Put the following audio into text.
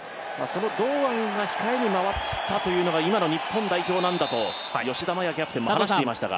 その堂安が控えに回ったというのが今の日本代表なんだと吉田麻也キャプテンも話していましたが。